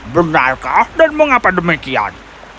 benarkah dan mengapa demikian